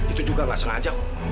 itu juga gak sengaja